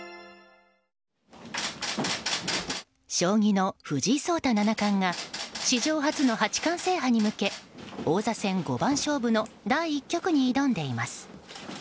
将棋の藤井聡太七冠が史上初の八冠制覇に向け王座戦五番勝負の第１局に挑んでいます。